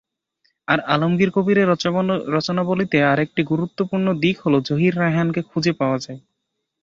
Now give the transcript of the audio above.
আর আলমগীর কবিরের রচনাবলিতে আরেকটি গুরুত্বপূর্ণ দিক হলো জহির রায়হানকে খুঁজে পাওয়া।